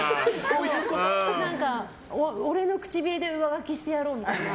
俺の唇で上書きしてやろうみたいな。